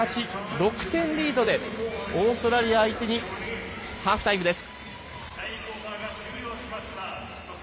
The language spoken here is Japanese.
６点リードでオーストラリア相手にハーフタイムです。